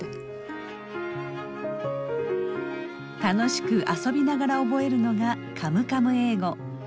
楽しく遊びながら覚えるのが「カムカム英語」。